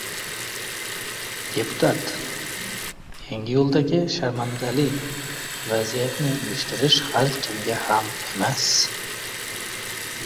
Deputat: «Yangiyo‘ldagi sharmandali vaziyatni uyushtirish har kimga ham emas»